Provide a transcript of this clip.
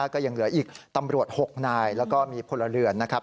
ก็ยังเหลืออีกตำรวจ๖นายแล้วก็มีพลเรือนนะครับ